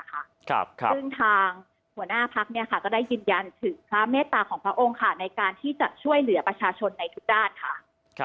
ซึ่งทางหัวหน้าพักก็ได้ยืนยันถึงพระเมตตาของพระองค์ในการที่จะช่วยเหลือประชาชนในทุกด้านค่ะ